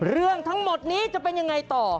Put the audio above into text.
เรื่องทั้งหมดนี้จะเป็นยังไงต่อ